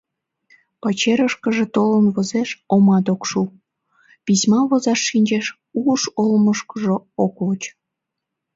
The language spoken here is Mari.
Пачерышкыже толын возеш, омат ок шу, письма возаш шинчеш — уш олмышкыжо ок воч.